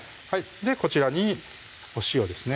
こちらにお塩ですね